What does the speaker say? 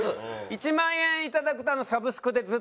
１万円頂くとサブスクでずっと何回でも。